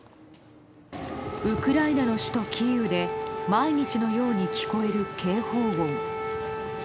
ウクライナの首都キーウで毎日のように聞こえる警報音。